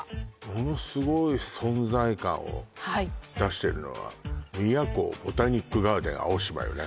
ものすごい存在感を出してるのは宮交ボタニックガーデン青島よね